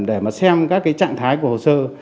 để mà xem các cái trạng thái của hồ sơ